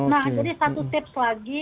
nah jadi satu tips lagi